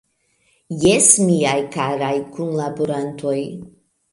Jes, miaj karaj kunlaborantoj!